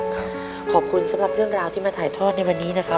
ขอบคุณสำหรับเรื่องราวที่มาถ่ายทอดในวันนี้นะครับ